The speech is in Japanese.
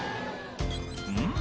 「うん？